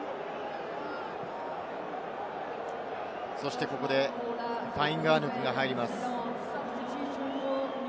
そして、ここでファインガアヌクが入ります。